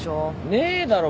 ねえだろ